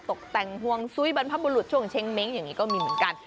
ตกแต่งห่วงซุ้ยบรรพบุรุษช่วงเช้งเม้งอย่างนี้ก็มีเหมือนกัน